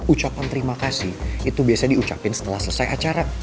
ucapan terima kasih itu biasa diucapin setelah selesai acara